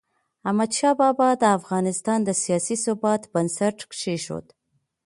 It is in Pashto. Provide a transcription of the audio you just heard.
احمدشاه بابا د افغانستان د سیاسي ثبات بنسټ کېښود.